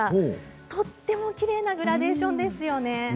とってもきれいなグラデーションですよね。